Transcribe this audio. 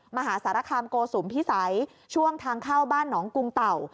มหาสารคามโกสุมพิสัยช่วงทางเข้าบ้านหนองกรุงเต่า